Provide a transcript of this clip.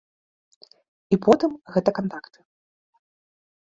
І потым, гэта кантакты.